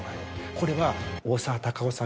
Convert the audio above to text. これは大沢たかおさん